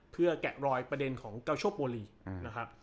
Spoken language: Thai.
เพื่อแกะรอยประเด็นของเกาโชโปรลีนะครับ